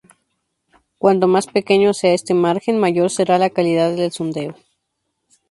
Cuanto más pequeño sea este margen, mayor será la calidad del sondeo.